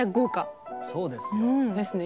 そうですよ。